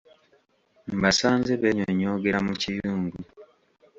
Mbasanze beenyonyogerera mu kiyungu.